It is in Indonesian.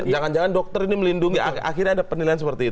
jangan jangan dokter ini melindungi akhirnya ada penilaian seperti itu